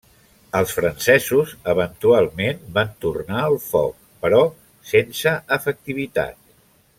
Els francesos eventualment van tornar el foc, però sense efectivitat.